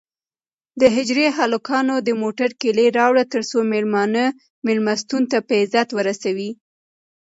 د حجرې هلکانو د موټر کیلي راوړه ترڅو مېلمانه مېلمستون ته په عزت ورسوي.